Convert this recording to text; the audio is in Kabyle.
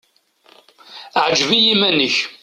Ɛǧeb i yiman-ik.